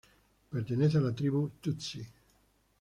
Pertenece a la tribu Tutsi.